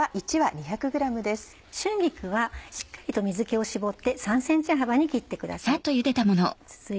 春菊はしっかりと水気を絞って３ｃｍ幅に切ってください。